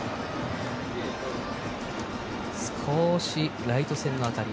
少しライト線の辺り。